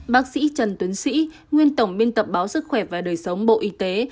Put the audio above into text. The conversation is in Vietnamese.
bác sĩ trần tuyến sĩ nguyên tổng biên tập báo sức khỏe và đời sống bộ y tế